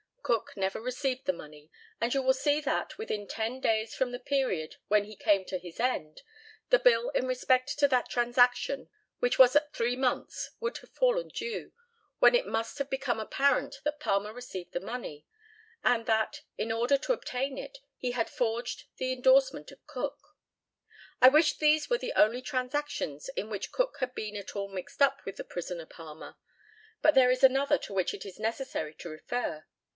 Cook never received the money, and you will see that, within ten days from the period when he came to his end, the bill in respect to that transaction, which was at three months, would have fallen due, when it must have become apparent that Palmer received the money; and that, in order to obtain it, he had forged the endorsement of Cook. I wish these were the only transactions in which Cook had been at all mixed up with the prisoner Palmer; but there is another to which it is necessary to refer.